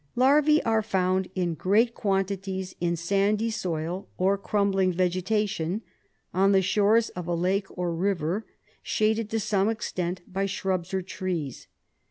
Larvas are found in great quantities in sandy soil or crumbling vegetation, on the shores of a lake or river, shaded to some extent by shrubs or trees.